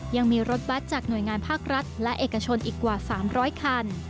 ยังมีรถบัตรจากหน่วยงานภาครัฐและเอกชนอีกกว่า๓๐๐คัน